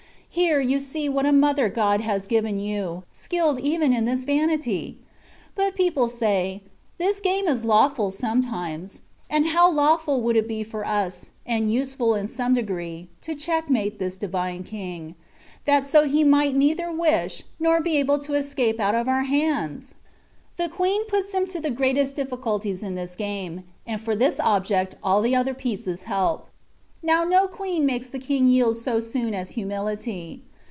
Here you see what a mother God has given you, skilled even in this vanity ! But people say, " This game is lawful sometimes /' and how lawful would it be for us, and useful in some degree, to " checkmate " this Divine King, that so He might neither wish, nor be able to escape out of our hands ! The queen puts him to the greatest difficulties in this game, and for this object all the other pieces help. Now no queen makes the king yield so soon as humi lity.